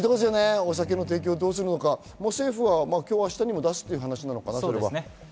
お酒の提供をどうするのか政府は今日、明日にも出すということなのかな？